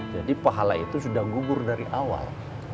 jadi pahala itu sudah gugur dari awal